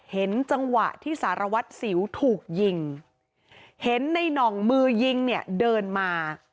เห็นจังหวะที่สารวัตรสิวถูกยิงเห็นในน่องมือยิงเนี่ยเดินมา